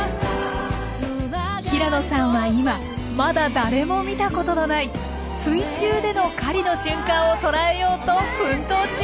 平野さんは今まだ誰も見たことのない水中での狩りの瞬間をとらえようと奮闘中。